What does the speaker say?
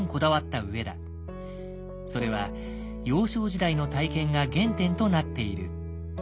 それは幼少時代の体験が原点となっている。